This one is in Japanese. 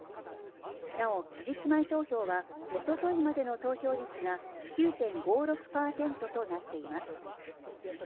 なお期日前投票は一昨日までの投票率は９．５６％となっています。